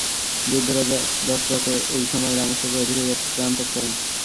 বৃদ্ধ রাজা দশরথও এই সময়ে রামের শোকে অধীর হইয়া প্রাণত্যাগ করেন।